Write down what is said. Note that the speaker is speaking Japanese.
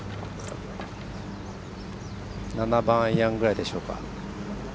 ７番アイアンぐらいでしょうか。